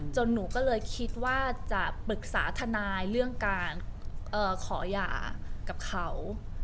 หนูก็เลยคิดว่าจะปรึกษาทนายเรื่องการขอหย่ากับเขา